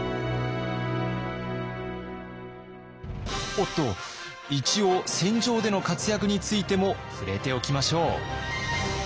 おっと一応戦場での活躍についても触れておきましょう。